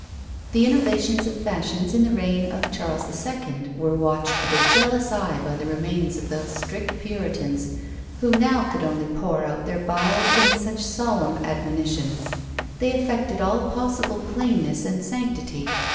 The innovations of fashions in the reign of Charles II. were watched with a jealous eye by the remains of those strict puritans, who now could only pour out their bile in such solemn admonitions. They affected all possible plainness and sanctity.